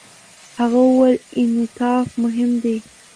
هغه وویل، انعطاف مهم دی.